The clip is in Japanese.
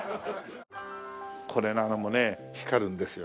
これなんかもね光るんですよ。